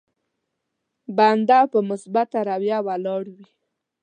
بنده په مثبته رويه ولاړ وي.